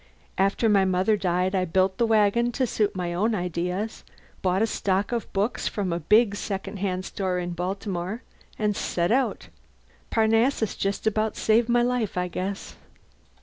After my mother died I built the wagon to suit my own ideas, bought a stock of books from a big second hand store in Baltimore, and set out. Parnassus just about saved my life I guess."